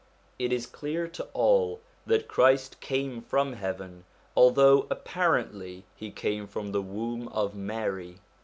It is clear to all that Christ came from heaven, although apparently he came from the womb of Mary.